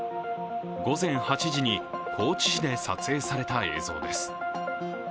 午前８時に高知市で撮影された映像です。